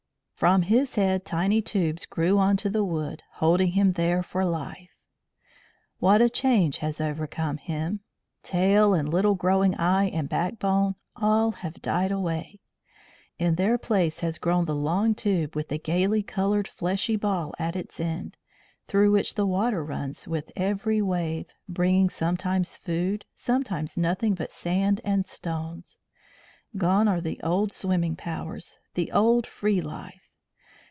From his head tiny tubes grew on to the wood, holding him there for life. What a change has come over him! Tail and little growing eye and backbone, all have died away; in their place has grown the long tube with the gaily coloured fleshy ball at its end, through which the water runs with every wave, bringing sometimes food, sometimes nothing but sand and stones. Gone are the old swimming powers, the old free life.